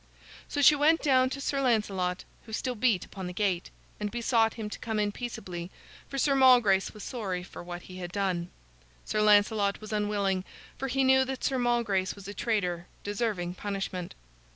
So she went down to Sir Lancelot, who still beat upon the gate, and besought him to come in peaceably, for Sir Malgrace was sorry for what he had done. Sir Lancelot was unwilling, for he knew that Sir Malgrace was a traitor, deserving punishment.